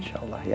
insya allah ya